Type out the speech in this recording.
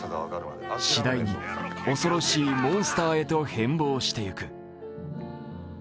次第に恐ろしいモンスターへと変貌していく。